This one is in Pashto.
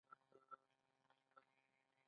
آیا د کاناډا اقتصاد په طبیعي زیرمو ولاړ نه دی؟